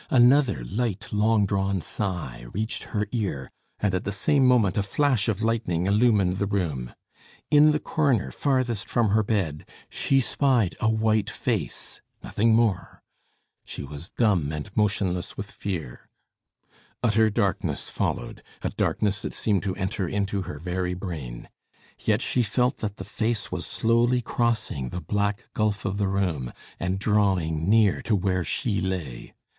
Another light, long drawn sigh reached her ear, and at the same moment a flash of lightning illumined the room. In the corner farthest from her bed, she spied a white face, nothing more. She was dumb and motionless with fear. Utter darkness followed, a darkness that seemed to enter into her very brain. Yet she felt that the face was slowly crossing the black gulf of the room, and drawing near to where she lay.